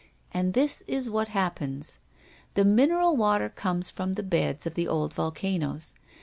And this is what happens: The mineral water comes from the beds of old volcanoes.